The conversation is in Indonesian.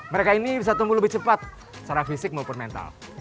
mereka ini bisa tumbuh lebih cepat secara fisik maupun mental